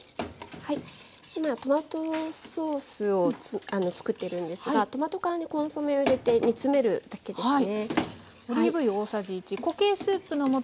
はい今トマトソースを作っているんですがトマト缶にコンソメを入れて煮詰めるだけですね。